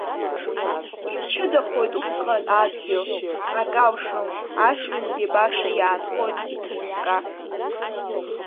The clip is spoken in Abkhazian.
Имчыдахоит усҟан адгьыл, ак алшом, ажәҩангьы баша иаанхоит иҭыкка.